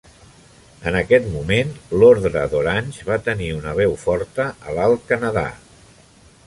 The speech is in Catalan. En aquest moment, l'ordre d'Orange va tenir una veu forta a l'Alt Canadà.